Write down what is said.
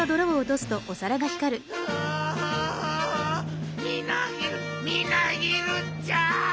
うみなぎるみなぎるっちゃ！